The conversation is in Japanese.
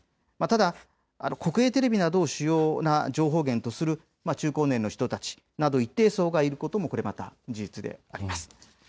ただ国営テレビなどを主要な情報源とする中高年の人たちなど、一定層がいることもこれまた事実であります。